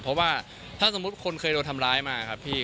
เพราะว่าถ้าสมมุติคนเคยโดนทำร้ายมาครับพี่